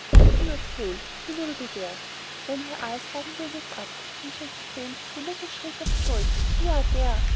But he not fail; he will be here." Then her eyes suddenly lit up, and she exclaimed with a little shriek of joy, "He are here!